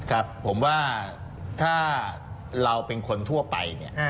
ครับผมว่าถ้าเราเป็นคนทั่วไปเนี่ย